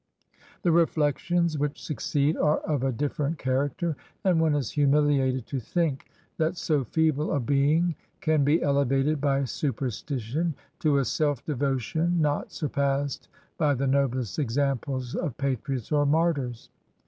The reflections which succeed are of a different character, and one is humiliated to think that so feeble a being can be elevated by superstition to a self devotion not surpassed by the noblest examples of patriots or martyrs.